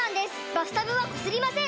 バスタブはこすりません！